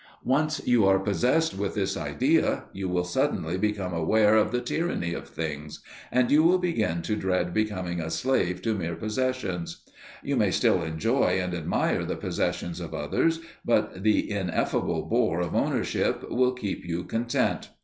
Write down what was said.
Once you are possessed with this idea you will suddenly become aware of the tyranny of Things, and you will begin to dread becoming a slave to mere possessions. You may still enjoy and admire the possessions of others, but the ineffable bore of ownership will keep you content.